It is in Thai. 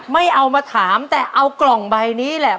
ไม่เอามาถามแต่เอากล่องใบนี้แหละ